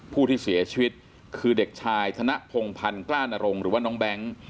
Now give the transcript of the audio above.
ผู้ที่เสียชีวิตคือเด็กชายธนพงพันธ์กล้านรงหรือว่าน้องแบงค์